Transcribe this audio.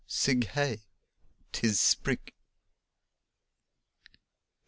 Sig Hey! 'Tis Sprig!